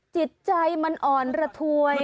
จิตใจมันอ่อนระทวย